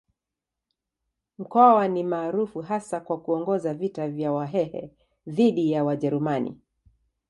Mkwawa ni maarufu hasa kwa kuongoza vita vya Wahehe dhidi ya Wajerumani.